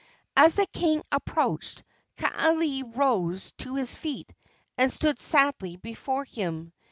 As the king approached, Kaaialii rose to his feet and stood sadly before him.